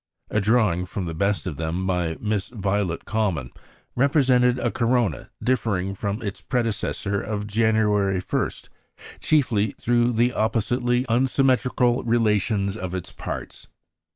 A drawing from the best of them by Miss Violet Common represented a corona differing from its predecessor of January 1, chiefly through the oppositely unsymmetrical relations of its parts.